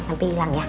sampai hilang ya